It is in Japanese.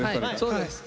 そうです！